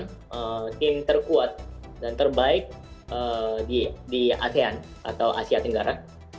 adalah tim yang paling kuat dan baik di asia tenggara